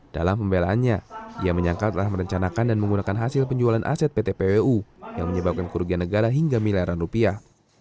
dalam pembelaannya ia menyangkal telah merencanakan dan menggunakan hasil penjualan aset pt pwu yang menyebabkan kerugian negara hingga miliaran rupiah